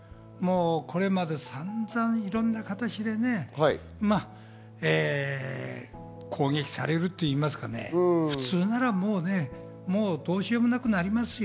これまで散々いろんな形で攻撃されるといいますか、普通ならどうしようもなくなりますよ。